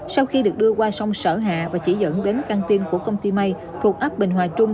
sau khi được đưa qua sông sở hạ và chỉ dẫn đến căn tiên của công ty máy thuộc ấp bình hòa trung